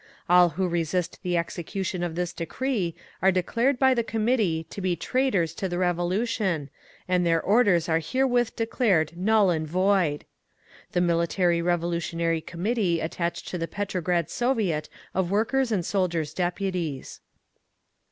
"All who resist the execution of this decree are declared by the Committee to be traitors to the Revolution, and their orders are herewith declared null and void." _The Military Revolutionary Committee Attached to the Petrograd Soviet of Workers' and Soldiers' Deputies.